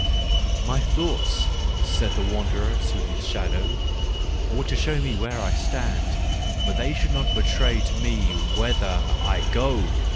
— 11 My thoughts," said the wanderer to his shadow, " ought to show me where I stand, but they should not betray to me whither I go.